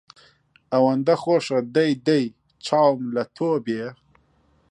ئەوەندە خۆشە دەی دەی چاوم لە تۆ بێ